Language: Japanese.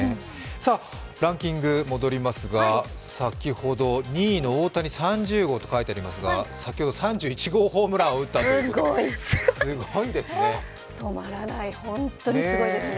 ランキングに戻りますが、２位の大谷３０号と書いてありますが先ほど３１号ホームランを打ったということで、すごいですね止まらない、本当にすごいですね。